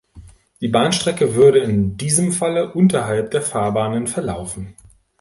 Die Bahnstrecke würde in diesem Falle unterhalb der Fahrbahnen verlaufen.